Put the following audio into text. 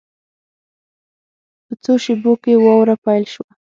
په څو شېبو کې واوره پیل شوه.